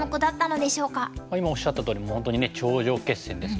今おっしゃったとおり本当に頂上決戦ですけれども。